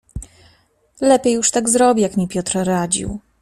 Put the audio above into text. "Lepiej już tak zrobię, jak mi Piotr radził."